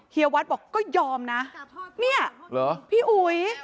เฮียวัฒน์บอกก็ยอมนะเนี้ยหรอพี่อุ๋ย